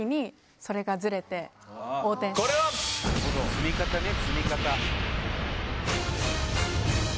積み方ね積み方。